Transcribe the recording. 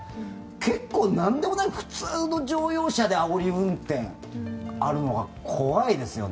結構、なんでもない普通の乗用車であおり運転があるのが怖いですよね。